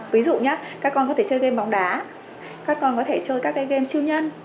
ví dụ như các con có thể chơi game bóng đá các con có thể chơi các game siêu nhân